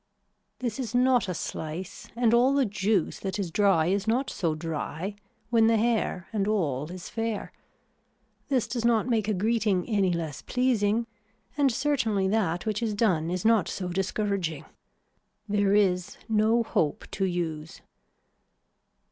This is not a slice and all the juice that is dry is not so dry when the hair and all is fair. This does not make a greeting any less pleasing and certainly that which is done is not so discouraging. There is no hope to use.